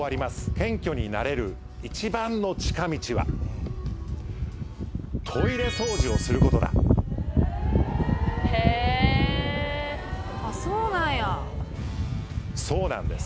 謙虚になれる一番の近道はトイレ掃除をすることだそうなんです